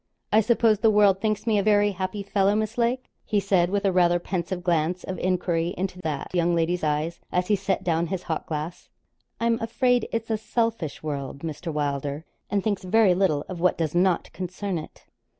'I suppose the world thinks me a very happy fellow, Miss Lake?' he said, with a rather pensive glance of enquiry into that young lady's eyes, as he set down his hock glass. 'I'm afraid it's a selfish world, Mr. Wylder, and thinks very little of what does not concern it.'